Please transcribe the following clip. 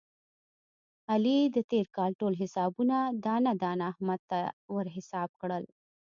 علي د تېر کال ټول حسابونه دانه دانه احمد ته ور حساب کړل.